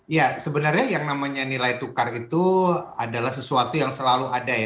ya sebenarnya yang namanya nilai tukar itu adalah sesuatu yang selalu ada ya